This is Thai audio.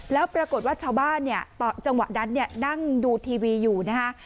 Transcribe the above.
แล้วปรากฏว่าชาวบ้านเนี่ยจังหวะนั้นนั่งดูทีวีอยู่นะฮะ